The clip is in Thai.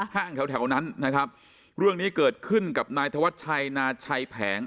ห้างแถวแถวนั้นนะครับเรื่องนี้เกิดขึ้นกับนายธวัชชัยนาชัยแผง